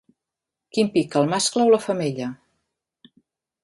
Quin pica, el mascle o la femella?